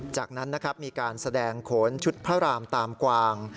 จากนั้นนะครับมีการแสดงโขนชุดพระรามตามกวาง